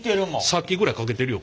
さっきぐらいかけてるよ